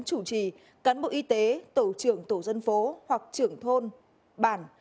chủ trì cán bộ y tế tổ trưởng tổ dân phố hoặc trưởng thôn bản